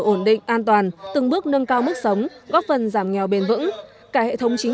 ổn định an toàn từng bước nâng cao mức sống góp phần giảm nghèo bền vững cả hệ thống chính